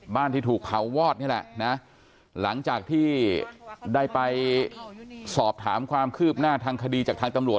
ที่ถูกเผาวอดนี่แหละนะหลังจากที่ได้ไปสอบถามความคืบหน้าทางคดีจากทางตำรวจ